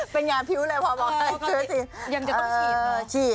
เป็นงานพิ้วเลยพอบอกให้ยังจะต้องฉีดเหรอเออฉีด